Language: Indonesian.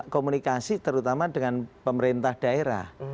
komunikasi terutama dengan pemerintah daerah